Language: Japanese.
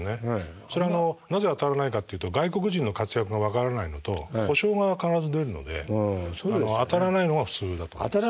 それのなぜ当たらないかというと外国人の活躍が分からないのと故障が必ず出るので当たらないのが普通だと思います。